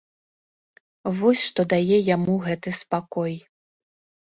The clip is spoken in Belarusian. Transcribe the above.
Вось што дае яму гэты спакой!